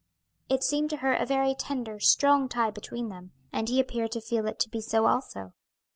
It seemed to her a very tender, strong tie between them, and he appeared to feel it to be so also.